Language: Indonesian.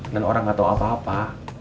dan orang gak tau apa apa